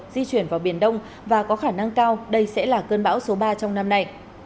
di chuyển vào biển đông và có khả năng cao đây sẽ là cơn bão số ba trong năm nay